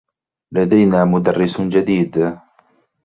لدينا مدرّس جديد.